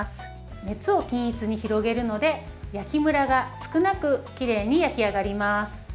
熱を均一に広げるので焼きムラが少なくきれいに焼き上がります。